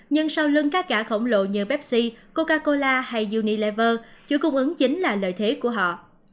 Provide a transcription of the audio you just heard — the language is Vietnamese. nhưng sau lưng các gà khổng lồ như pepsi coca cola hay unilever chuỗi cung ứng chính là lợi thế của họ